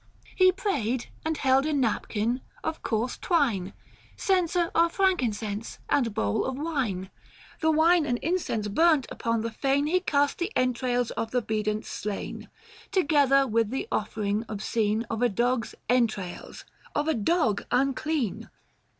He prayed, and held a napkin of coarse twine, Censer of frankincense, and bowl of wine. The wine and incense burnt, upon the fane 1085 He cast the entrails of the biclent slain, Together with the offering obscene Of a dog's entrails — of a dog unclean